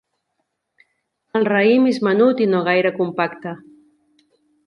El raïm és menut i no gaire compacte.